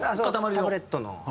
タブレットの。